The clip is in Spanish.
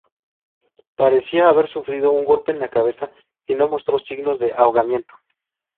Parecía haber sufrido un golpe en la cabeza y no mostró signos de ahogamiento.